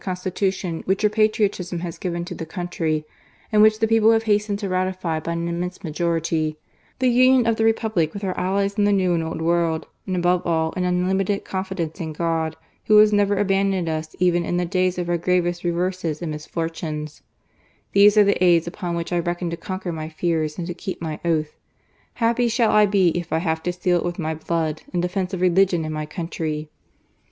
Constitatioii which yomr patrioti^Q has given to* the eoimtry, and which ^be peofde have hastened to ratify by an immense majpritjr ; the union of the jRepublic with our allies in the New and Old Worid; and above all, an unlimited confidence in God, Who has never' abandoned us even in the days of our gravest reverses and misfortunes^ — ^these are the aids upon which I reckon to conquer my fears and to keep my oath, Happy shall I be if I have to seal it with my blood, in defence of redigion and my country."